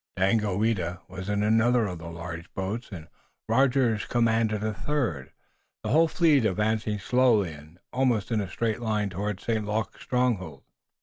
Daganoweda was in another of the large boats, and Rogers commanded a third, the whole fleet advancing slowly and in almost a straight line toward St. Luc's stronghold.